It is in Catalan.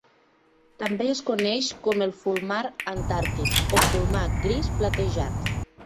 També es coneix com el fulmar antàrtic o fulmar gris platejat.